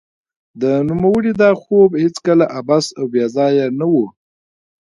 د نوموړي دا خوب هېڅکله عبث او بې ځای نه و